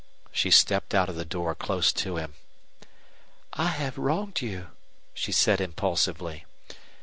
She stepped out of the door close to him. "I have wronged you," she said, impulsively.